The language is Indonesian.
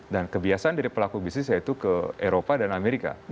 dan kebiasaan dari pelaku bisnis yaitu ke eropa dan amerika